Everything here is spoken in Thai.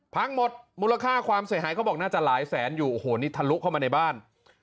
พังหมดมูลค่าความเสียหายเขาบอกน่าจะหลายแสนอยู่โอ้โหนี่ทะลุเข้ามาในบ้าน